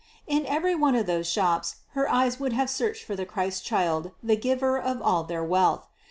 In every one of those shops her eyes would have searched for the Christ child, the giver of all their wealth.